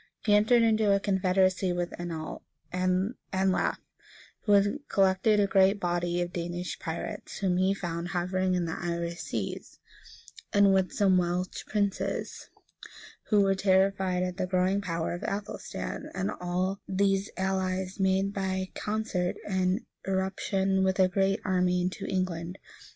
He entered into a confederacy with Anlaf, who had collected a great body of Danish pirates, whom he found hovering in the Irish seas, and with some Welsh princes, who were terrified at the growing power of Athelstan; and all these allies made by concert an irruption with a great army into England.